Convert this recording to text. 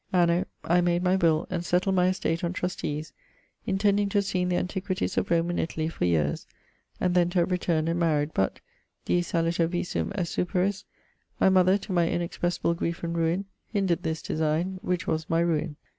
Anno I made my will[Z] and settled my estate on trustees, intending to have seen the antiquities of Rome and Italy for ..., and then to have returned and maried, but Diis aliter visum est superis, my mother, to my inexpressible griefe and ruine, hindred this designe, which was my ruine.